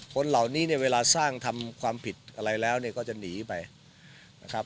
คนเหล่านี้เนี่ยเวลาสร้างทำความผิดอะไรแล้วเนี่ยก็จะหนีไปนะครับ